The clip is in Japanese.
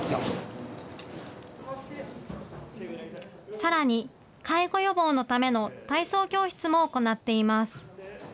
さらに、介護予防のための体操教室も行っています。